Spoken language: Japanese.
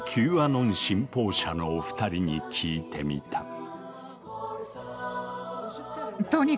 アノン信奉者のお二人に聞いてみた。